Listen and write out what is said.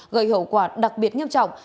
gây hậu quả đặc biệt nghiêm trọng